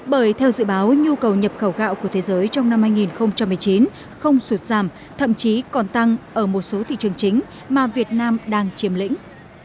bởi theo dự báo nhu cầu nhập khẩu gạo của thế giới trong năm hai nghìn một mươi chín không sụt giảm thậm chí còn tăng ở một số thị trường chính mà việt nam đang chiếm lĩnh